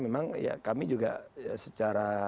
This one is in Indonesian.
memang kami juga secara